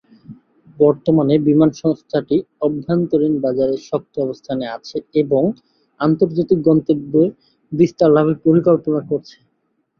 বর্তমানে বিমান সংস্থাটি অভ্যন্তরীন বাজারে শক্ত অবস্থানে আছে এবং আন্তর্জাতিক গন্তব্যে বিস্তার লাভের পরিকল্পনা করছে।